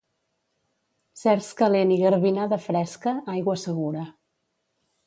Cerç calent i garbinada fresca, aigua segura.